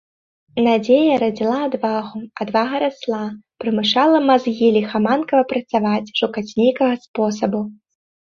Надзея радзіла адвагу, адвага расла, прымушала мазгі ліхаманкава працаваць, шукаць нейкага спосабу.